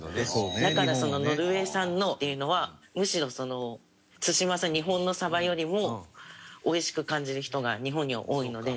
だからノルウェー産のっていうのはむしろ対馬産日本のサバよりもおいしく感じる人が日本には多いので。